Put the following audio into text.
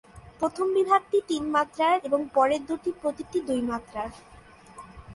প্রথম বিভাগটি তিন মাত্রার এবং পরের দুটি প্রতিটি দুই মাত্রার।